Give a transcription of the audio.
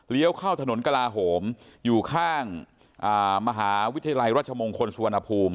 เข้าถนนกลาโหมอยู่ข้างมหาวิทยาลัยราชมงคลสุวรรณภูมิ